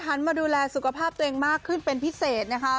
มาดูแลสุขภาพตัวเองมากขึ้นเป็นพิเศษนะคะ